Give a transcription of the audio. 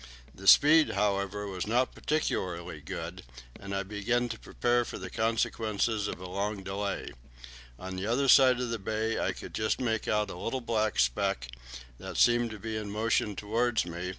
The speed, however, was not particularly good, and I began to prepare for the consequences of a long delay. On the other side of the bay I could just make out a little black speck, that seemed to be in motion towards me.